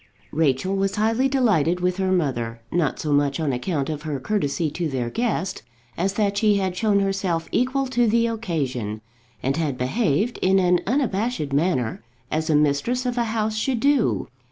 Rachel was highly delighted with her mother, not so much on account of her courtesy to their guest, as that she had shown herself equal to the occasion, and had behaved, in an unabashed manner, as a mistress of a house should do.